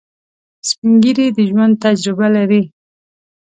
سپین ږیری د ژوند تجربه لري